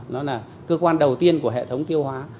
nó là cơ quan đầu tiên của hệ thống tiêu hóa